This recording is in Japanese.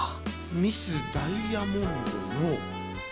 ミス・ダイヤモンドの。